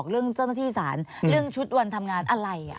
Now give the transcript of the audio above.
เรื่องชุดวันทำงานอะไร